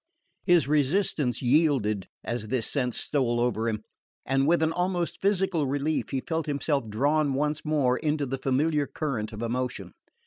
His resistance yielded as this sense stole over him, and with an almost physical relief he felt himself drawn once more into the familiar current of emotion.